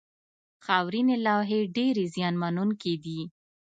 خاورینې لوحې ډېرې زیان منونکې دي.